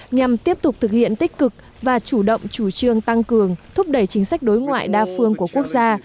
nhằm tiếp tục thực hiện tích cực và chủ động chủ trương tăng cường thúc đẩy chính sách đối ngoại đa phương của quốc gia